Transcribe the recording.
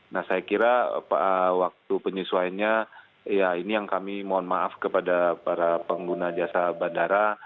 nah saya kira waktu penyesuaiannya ya ini yang kami mohon maaf kepada para pengguna jasa bandara